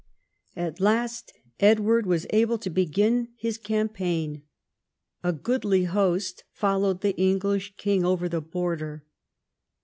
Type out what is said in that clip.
At last Edward was able to begin his campaign. A goodly host followed the English king over the border.